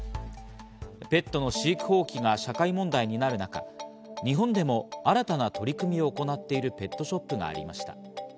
ペットの飼育放棄が社会問題になる中、日本でも新たな取り組みを行っているペットショップがありました。